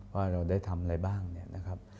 ว่าเราได้ทำอะไรบ้างเนี่ยนะครับ